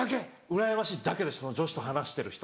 うらやましいだけでした女子と話してる人。